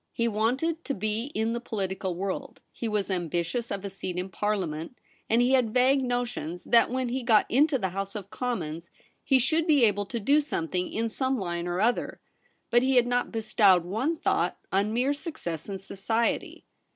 He wanted to be in the political world ; he was ambitious of a seat in Parliament ; and he had vague notions that when he got into the House of Commons he should be able to do something in some line or other ; but he had not bestowed one thought on mere success in society.